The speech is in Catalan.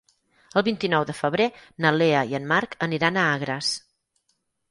El vint-i-nou de febrer na Lea i en Marc aniran a Agres.